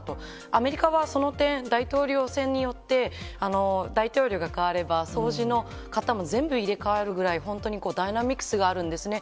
アメリカはその点、大統領選によって、大統領が代われば、そうじのかたも全部入れ代わるぐらい、本当にダイナミックスがあるんですね。